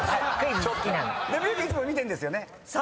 いつも見てんですよね。